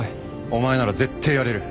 お前なら絶対やれる。